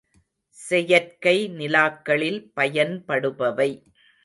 செயற்கை நிலாக்களில் பயன்படுபவை.